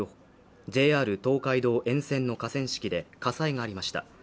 ＪＲ東海道沿線の河川敷で火災がありました